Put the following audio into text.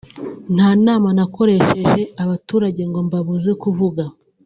nta nama nakoresheje abaturage ngo mbabuze kuvuga »